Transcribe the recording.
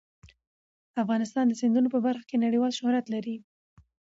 افغانستان د سیندونه په برخه کې نړیوال شهرت لري.